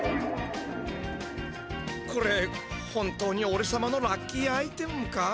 これ本当におれさまのラッキーアイテムか？